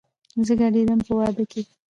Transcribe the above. زه ګډېدم په وادۀ کې